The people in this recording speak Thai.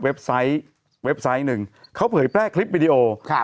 เว็บไซต์เว็บไซต์หนึ่งเขาเผยแพร่คลิปวิดีโอครับ